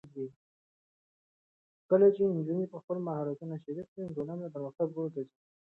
کله چې نجونې خپل مهارتونه شریک کړي، ټولنه د پرمختګ لور ته ځي.